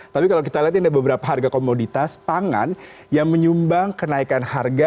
tapi kalau kita lihat ini ada beberapa harga komoditas pangan yang menyumbang kenaikan harga